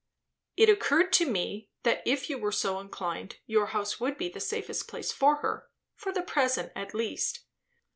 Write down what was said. "It occurred to me, that if you were so inclined, your house would be the safest place for her; for the present at least."